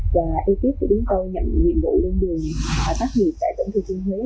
và ekip của chúng tôi nhận nhiệm vụ lên đường tác nghiệp tại tổng thị trường huế